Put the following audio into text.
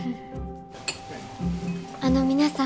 あの皆さん。